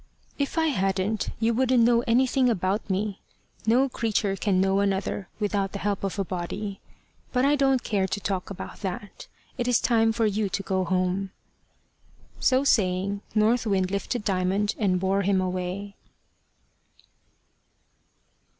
"If I hadn't you wouldn't know anything about me. No creature can know another without the help of a body. But I don't care to talk about that. It is time for you to go home." So saying, North Wind lifted Diamond and bore him away.